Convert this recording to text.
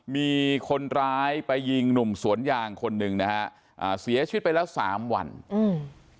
มีคนร้ายไปยิงหนุ่มสวนยางคนหนึ่งนะฮะอ่าเสียชีวิตไปแล้วสามวันอืม